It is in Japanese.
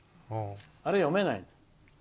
あれ、読めない。